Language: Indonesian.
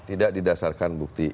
tidak didasarkan bukti